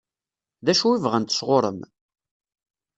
D acu i bɣant sɣur-m?